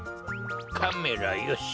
カメラよし。